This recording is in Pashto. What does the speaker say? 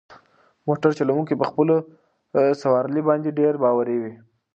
موټر چلونکی په خپلو سوارلۍ باندې ډېر باوري و.